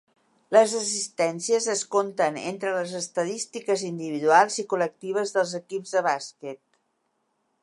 Les assistències es conten entre les estadístiques individuals i col·lectives dels equips de bàsquet.